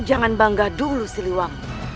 jangan bangga dulu siliwamu